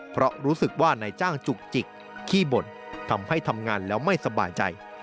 เพราะรู้สึกว่านายจ้างจุกจิกขี้บ่นทำให้ทำงานแล้วไม่สบายใจ